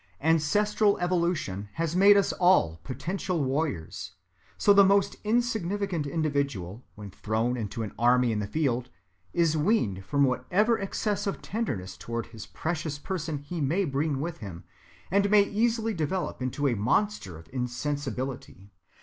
Ancestral evolution has made us all potential warriors; so the most insignificant individual, when thrown into an army in the field, is weaned from whatever excess of tenderness towards his precious person he may bring with him, and may easily develop into a monster of insensibility.